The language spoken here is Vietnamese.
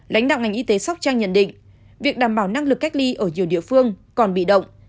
lãnh đạo ngành y tế sóc trăng nhận định việc đảm bảo năng lực cách ly ở nhiều địa phương còn bị động